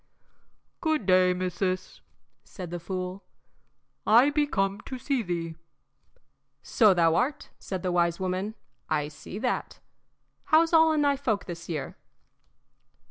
"Good day, missis," said the fool. "I be come to see thee." "So thou art," said the wise woman; "I see that. How's all in thy folk this year?"